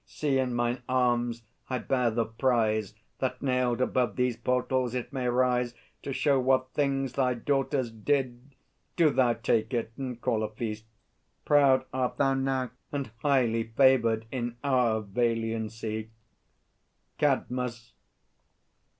See, in mine arms I bear the prize, That nailed above these portals it may rise To show what things thy daughters did! Do thou Take it, and call a feast. Proud art thou now And highly favoured in our valiancy! CADMUS.